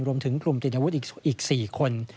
รวมถึงกลุ่มติดอาวุธอีก๔คน